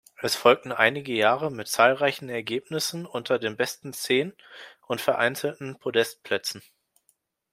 Es folgten einige Jahre mit zahlreichen Ergebnissen unter den besten Zehn und vereinzelten Podestplätzen.